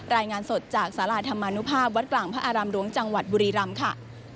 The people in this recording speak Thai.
รายงานสดจากสาราธรรมนุภาพวัดกลางพระอารามหลวงจังหวัดบุรีรำค่ะ